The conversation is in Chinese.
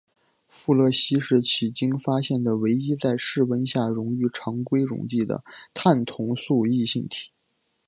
富勒烯是迄今发现的唯一在室温下溶于常规溶剂的碳同素异性体。